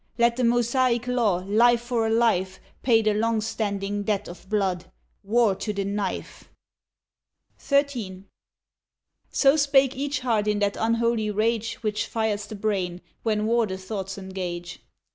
Let the Mosaic law, life for a life Pay the long standing debt of blood. War to the knife! XIII. So spake each heart in that unholy rage Which fires the brain, when war the thoughts engage.